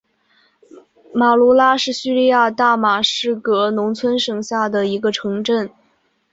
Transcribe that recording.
马卢拉是叙利亚大马士革农村省下的一个城镇。